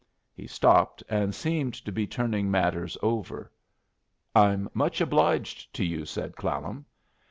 He stopped, and seemed to be turning matters over. "I'm much obliged to you," said Clallam.